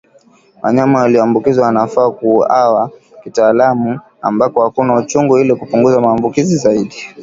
Wanyama walioambukizwa wanafaa kuuawa kitaalamu ambako hakuna uchungu ili kupunguza maambukizi zaidi